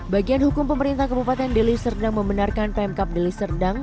bagian hukum pemerintah kepupatan deli serdang membenarkan pemkap deli serdang